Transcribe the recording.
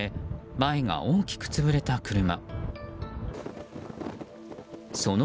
前が大きく潰れた車。